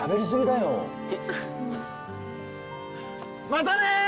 またね！